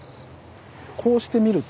こうしてみると